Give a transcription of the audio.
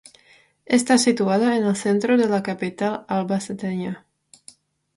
Está situada en el Centro de la capital albaceteña.